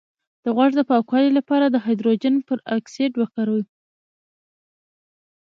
د غوږ د پاکوالي لپاره د هایدروجن پر اکسایډ وکاروئ